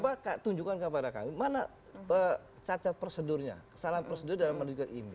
maka tunjukkan kepada kami mana cacat prosedurnya kesalahan prosedur dalam menunjukkan imb